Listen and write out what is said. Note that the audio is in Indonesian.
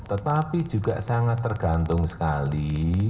tetapi juga sangat tergantung sekali